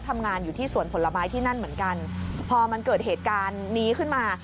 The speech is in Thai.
ทำงานอยู่ที่สวนผลไม้ที่นั่นเหมือนกันพอมันเกิดเหตุการณ์นี้ขึ้นมา